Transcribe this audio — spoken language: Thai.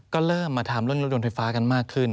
ก็เริ่มมาทำเรื่องรถยนต์ไฟฟ้ากันมากขึ้น